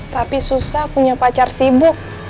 tapi susah punya pacar sibuk